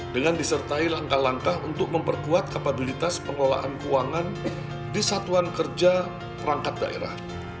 dengan disertai langkah langkah untuk memperkuat kapabilitas pengelolaan keuangan di satuan kerja perangkat daerah